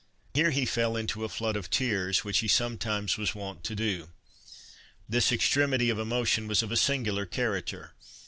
Here he fell into a flood of tears, which he sometimes was wont to do. This extremity of emotion was of a singular character.